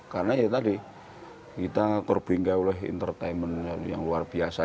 karena ya tadi kita terbingga oleh entertainment yang luar biasa